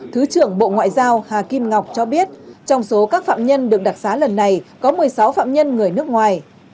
thứ trưởng bộ ngoại giao hà kim ngọc cho biết trong số các phạm nhân được đặc xá lần này có một mươi sáu phạm nhân người nước ngoài